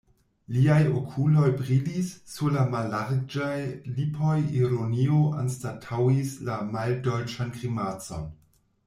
Liaj okuloj brilis, sur la mallarĝaj lipoj ironio anstataŭis la maldolĉan grimacon.